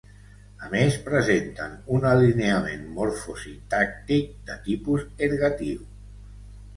A més presenten un alineament morfosintàctic de tipus ergatiu.